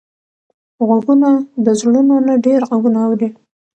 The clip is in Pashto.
غوږونه د زړونو نه ډېر غږونه اوري